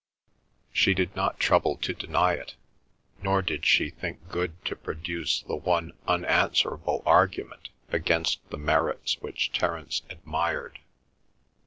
She did not trouble to deny it, nor did she think good to produce the one unanswerable argument against the merits which Terence admired.